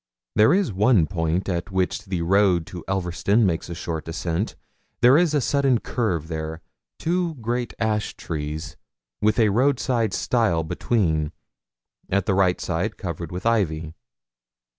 There is one point at which the road to Elverston makes a short ascent: there is a sudden curve there, two great ash trees, with a roadside stile between, at the right side, covered with ivy.